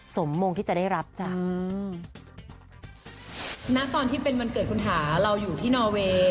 สมมงที่จะได้รับจ้ะอืมณตอนที่เป็นวันเกิดคุณถาเราอยู่ที่นอเวย์